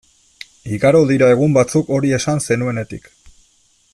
Igaro dira egun batzuk hori esan zenuenetik.